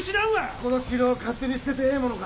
この城を勝手に捨ててええものか。